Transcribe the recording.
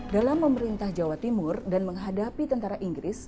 dalam memerintah jawa timur dan menghadapi tentara inggris